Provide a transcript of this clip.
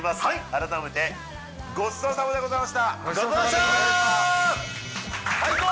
改めてごちそうさまでございました最高！